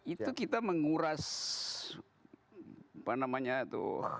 itu kita menguras apa namanya itu